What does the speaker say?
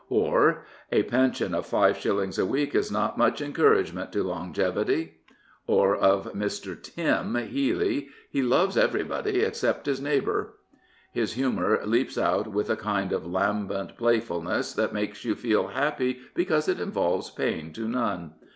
'' Or, " a pension of five shillings a week is not much encouragement to longevity." Or of Mr. " Tim " Healey, " he loves everybody except his neighbour." His humour leaps out with a kind of lambent playful ness that makes you feel happy because it involves pain to none.